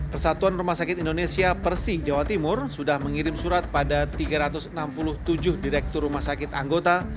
persatuan rumah sakit indonesia persi jawa timur sudah mengirim surat pada tiga ratus enam puluh tujuh direktur rumah sakit anggota